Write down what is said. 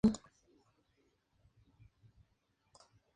Por su ubicación geográfica, la localidad cuenta con un pasado eslavo.